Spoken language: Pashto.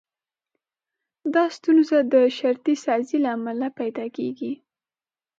دا ستونزه د شرطي سازي له امله پيدا کېږي.